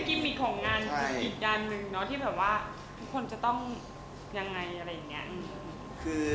ที่แบบว่าทุกคนจะต้องยังไงอะไรอย่างนี้